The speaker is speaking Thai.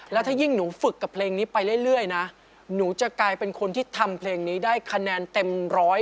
แล้วถ้ายิ่งหนูฝึกกับเพลงนี้ไปเรื่อยนะหนูจะกลายเป็นคนที่ทำเพลงนี้ได้คะแนนเต็มร้อย